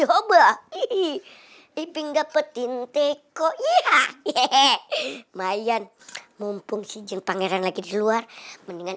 coba ii ii ping dapetin teko iya hehehe mayan mumpung si jeng pangeran lagi di luar mendingan